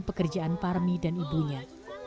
pekerjaan parmi dan ibunya